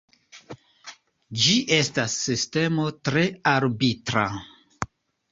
Ĝi estas sistemo tre arbitra.